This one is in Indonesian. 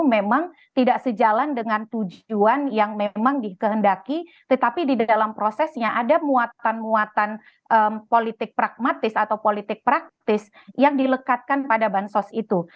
memang tidak sejalan dengan tujuan yang memang dikehendaki tetapi di dalam prosesnya ada muatan muatan politik pragmatis atau politik praktis yang dilekatkan pada bansos itu